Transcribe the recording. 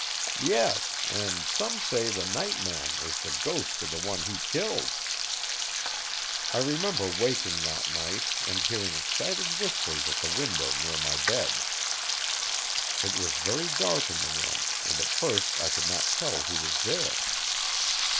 'Yes, an some say the night man is the ghost o' the one he killed.' I remember waking that night and hearing excited whispers at the window near my bed. It was very dark in the room and at first I could not tell who was there.